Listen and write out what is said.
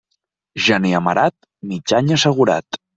Gener amarat, mig any assegurat.